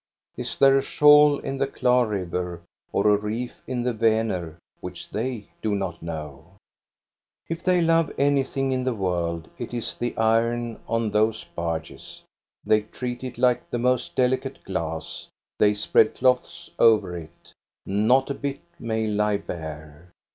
Is there a shoal in the Klar River or a reef in the Vaner which they do not know? THE IRON FROM EKEBY 283 ^Hto ] If they love anything in the world, it is the iron on those barges. They treat it like the most delicate glass, they spread cloths over it. Not a bit may lie bare.